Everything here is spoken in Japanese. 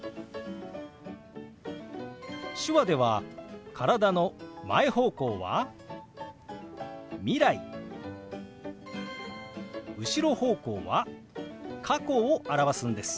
手話では体の前方向は未来後ろ方向は過去を表すんです。